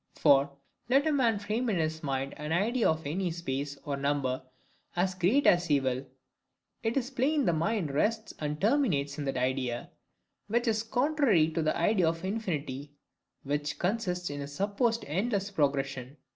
For, let a man frame in his mind an idea of any space or number, as great as he will; it is plain the mind RESTS AND TERMINATES in that idea, which is contrary to the idea of infinity, which CONSISTS IN A SUPPOSED ENDLESS PROGRESSION.